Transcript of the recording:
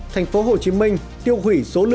thành phố hồ chí minh tiêu hủy số lượng nông dân